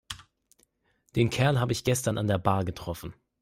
Den Kerl habe ich gestern an der Bar getroffen.